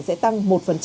sẽ tăng một